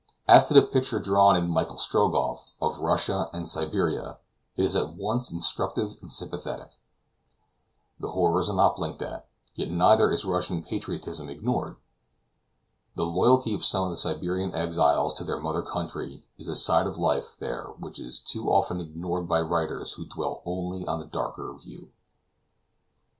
As to the picture drawn in "Michael Strogoff" of Russia and Siberia, it is at once instructive and sympathetic. The horrors are not blinked at, yet neither is Russian patriotism ignored. The loyalty of some of the Siberian exiles to their mother country is a side of life there which is too often ignored by writers who dwell only on the darker view.